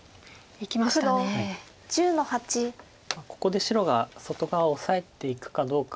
ここで白が外側をオサえていくかどうか。